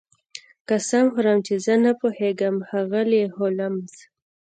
قسم خورم چې زه نه پوهیږم ښاغلی هولمز